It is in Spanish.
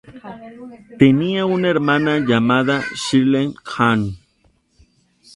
Tenía una hermana llamada Shirley Anne.